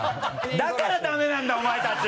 だからダメなんだお前たち！